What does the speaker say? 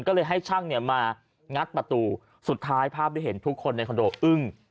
ก็เลยให้ช่างเนี่ยมางัดประตูสุดท้ายภาพที่เห็นทุกคนในคอนโดอึ้ง